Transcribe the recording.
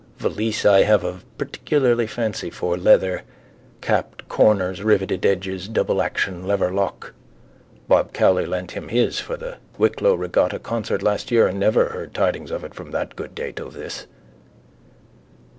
Valise I have a particular fancy for. Leather. Capped corners, rivetted edges, double action lever lock. Bob Cowley lent him his for the Wicklow regatta concert last year and never heard tidings of it from that good day to this.